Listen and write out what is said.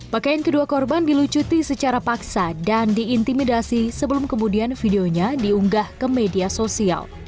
pakaian kedua korban dilucuti secara paksa dan diintimidasi sebelum kemudian videonya diunggah ke media sosial